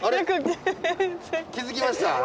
気付きました？